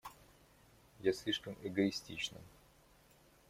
Я слишком эгоистична.